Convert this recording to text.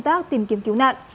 tìm kiếm cứu nạn